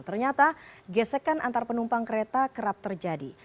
ternyata gesekan antar penumpang kereta kerap terjadi